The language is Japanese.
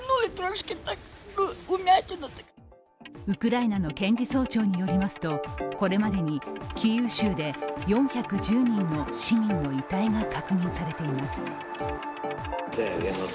ウクライナの検事総長によりますとこれまでにキーウ州で４１０人の市民の遺体が確認されています。